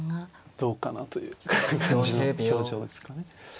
どうかなという感じの表情ですかね。